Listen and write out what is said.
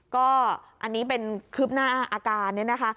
ก็อันนี้เป็นคืบหน้าอาการเนี่ยนะคะ